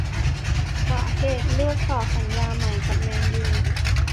สาเหตุเลือกต่อสัญญาใหม่กับ แมนยู